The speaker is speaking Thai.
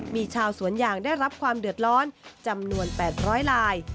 มีชาวสวนยางได้รับความเดือดร้อนจำนวน๘๐๐ลาย